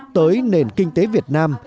tới nền kinh tế việt nam